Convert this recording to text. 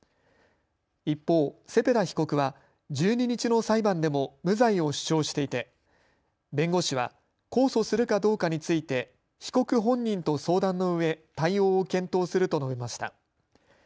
一方、セペダ被告は１２日の裁判でも無罪を主張していて弁護士は控訴するかどうかについて被告本人と相談のうえ対応を検討すると述べました。